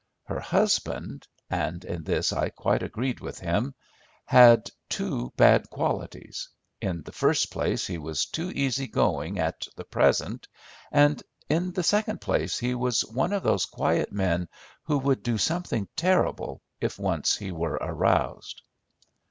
Her husband—and in this I quite agreed with him—had two bad qualities: in the first place he was too easy going at the present, and in the second place he was one of those quiet men who would do something terrible if once he were aroused.